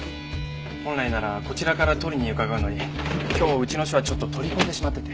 本来ならこちらから取りに伺うのに今日うちの署はちょっと取り込んでしまってて。